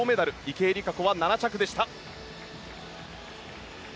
池江璃花子は７着でした。